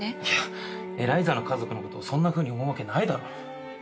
いやエライザの家族のことそんなふうに思うわけないだろ。